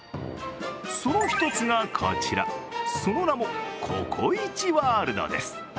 その１つがこちら、その名もココイチワールドです。